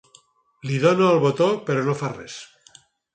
Li dono al botó però no fa res.